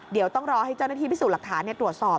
เดี๋ยวต้องรอให้เจ้าหน้าที่พิสูจน์หลักฐานตรวจสอบ